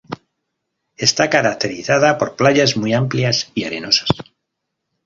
Está caracterizada por playas muy amplias y arenosas.